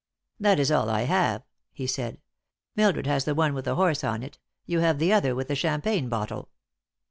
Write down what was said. "That is all I have," he said. "Mildred has the one with the horse on it; you have the other with the champagne bottle."